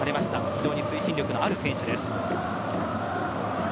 非常に推進力のある選手です。